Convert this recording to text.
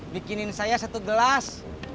bikinin saya satu gelas